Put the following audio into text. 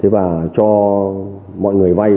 và cho mọi người vay